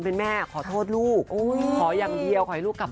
พ่อกับแม่ก็รออยู่ก็รักคี่ถึงมาก